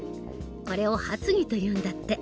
これを発議というんだって。